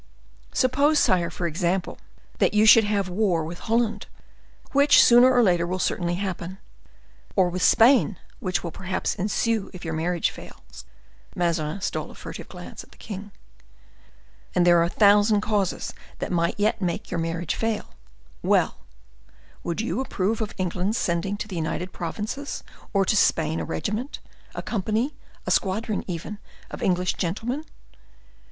Suppose, sire, for example, that you should have war with Holland, which, sooner or later, will certainly happen; or with Spain, which will perhaps ensue if your marriage fails" (Mazarin stole a furtive glance at the king), "and there are a thousand causes that might yet make your marriage fail,—well, would you approve of England's sending to the United Provinces or to Spain a regiment, a company, a squadron even, of English gentlemen?